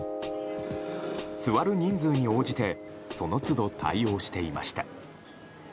座る人数に応じてその都度、対応していました。